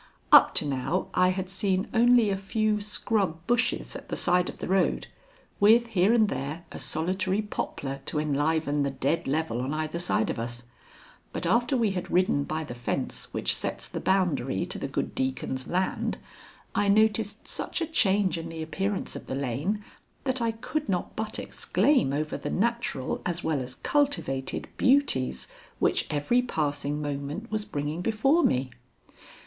Up to now I had seen only a few scrub bushes at the side of the road, with here and there a solitary poplar to enliven the dead level on either side of us; but after we had ridden by the fence which sets the boundary to the good deacon's land, I noticed such a change in the appearance of the lane that I could not but exclaim over the natural as well as cultivated beauties which every passing moment was bringing before me.